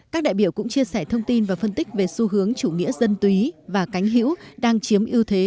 các đại biểu cũng chia sẻ thông tin và phân tích về xu hướng chủ nghĩa dân túy và cánh hữu đang chiếm ưu thế